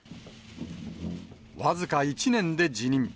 僅か１年で辞任。